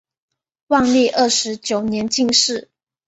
万历二十九年进士。